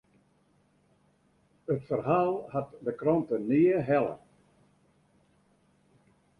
It ferhaal hat de krante nea helle.